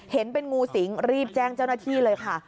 เห็นเป็นงูสิงรีบแจ้งเจ้าหน้าที่เลยค่ะ